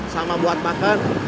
sama buat makan